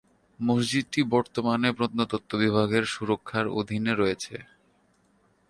মসজিদটি বর্তমানে প্রত্নতত্ত্ব বিভাগের সুরক্ষার অধীনে রয়েছে।